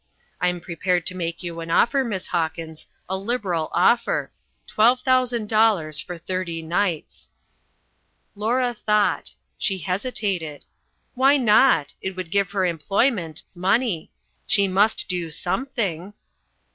I'm prepared to make you an offer, Miss Hawkins, a liberal offer, twelve thousand dollars for thirty nights." Laura thought. She hesitated. Why not? It would give her employment, money. She must do something.